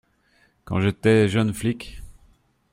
quand j’étais jeune flic.